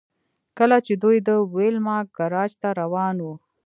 کله چې دوی د ویلما ګراج ته روان وو